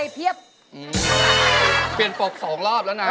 เปลี่ยนปก๒รอบแล้วนะ